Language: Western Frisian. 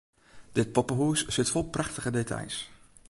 Dit poppehûs sit fol prachtige details.